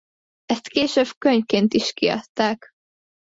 Ezt később könyvként is kiadták.